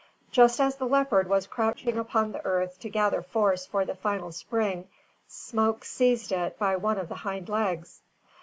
Just as the leopard was crouching upon the earth to gather force for the final spring, Smoke seized it by one of the hind legs.